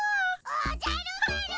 おじゃる丸！